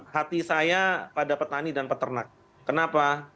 hati saya pada petani dan peternak kenapa